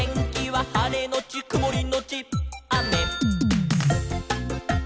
「はれのちくもりのちあめ」